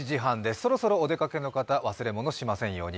そろそろお出かけの方、忘れ物しませんように。